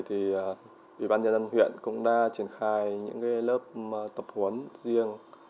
thì ubnd huyện cũng đã triển khai những lớp tập huấn riêng